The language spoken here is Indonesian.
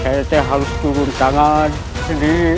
saya harus turun tangan sendiri